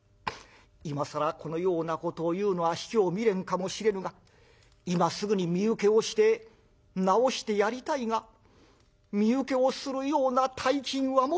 今更このようなことを言うのは卑怯未練かもしれぬが今すぐに身請けをして治してやりたいが身請けをするような大金は持ってないのだ」。